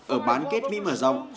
ở bán kết mỹ mở rộng